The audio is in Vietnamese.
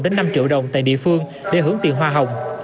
đến năm triệu đồng tại địa phương để hướng tiền hoa hồng